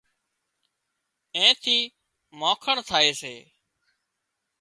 اين ٿِي مانکڻ ٿائي سي